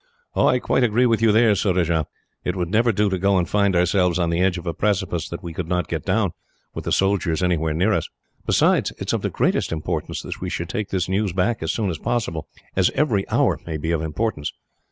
"I quite agree with you there, Surajah. It would never do to go and find ourselves on the edge of a precipice that we could not get down, with the soldiers anywhere near us. Besides, it is of the greatest importance that we should take the news back as soon as possible, as every hour may be of importance.